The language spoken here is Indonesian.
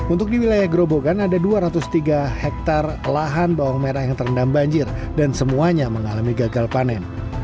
untuk di wilayah gerobogan ada dua ratus tiga hektare lahan bawang merah yang terendam banjir dan semuanya mengalami gagal panen